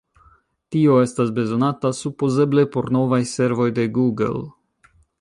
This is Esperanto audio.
Tio estas bezonata supozeble por novaj servoj de Google.